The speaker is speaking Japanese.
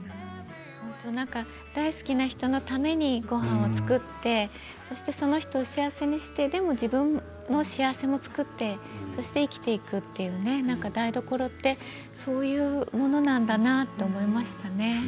大好きな人のためにごはんを作ってその人を幸せにして、でも自分も自分の幸せも作って生きていくという台所ってそういうものなんだなと思いましたね。